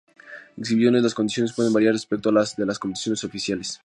En exhibiciones las condiciones pueden variar respecto a las de las competiciones oficiales.